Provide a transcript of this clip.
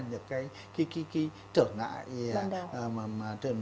những cái trở ngại